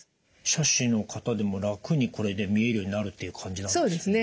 斜視の方でも楽にこれで見えるようになるっていう感じなんですね。